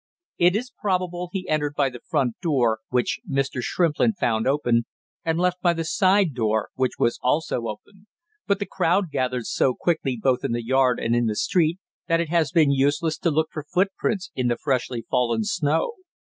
It is probable he entered by the front door, which Mr. Shrimplin found open, and left by the side door, which was also open, but the crowd gathered so quickly both in the yard and in the street, that it has been useless to look for footprints in the freshly fallen snow.